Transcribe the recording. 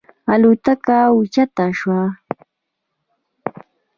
الوتکه اوچته شوه.